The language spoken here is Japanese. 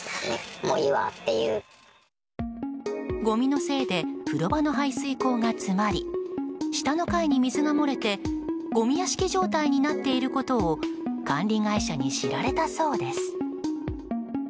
ごみのせいで風呂場の排水溝が詰まり下の階に水が漏れてごみ屋敷状態になっていることを管理会社に知られたそうです。